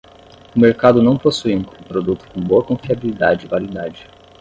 O mercado não possui um produto com boa confiabilidade e validade.